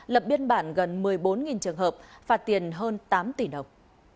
lập biên bản gần một mươi bốn trường hợp phạt tiền hơn tám tỷ đồng